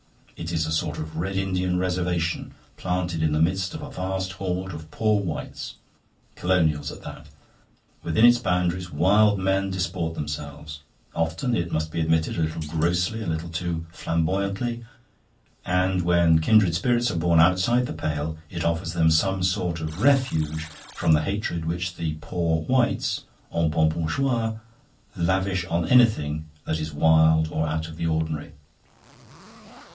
It is a sort of Red Indian Reservation planted in the midst of a vast horde of Poor Whites colonials at that. Within its boundaries wild men disport themselves often, it must be admitted, a little grossly, a little too flamboyantly; and when kindred spirits are born outside the pale it offers them some sort of refuge from the hatred which the Poor Whites, en bons bourgeois, lavish on anything that is wild or out of the ordinary.